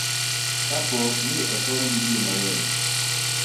ka po ni osom gi ji mang'eny